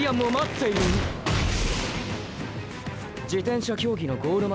自転車競技のゴール